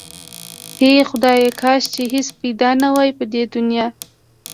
هی خدایا کاش چې هیڅ پیدا نه واي په دی دنیا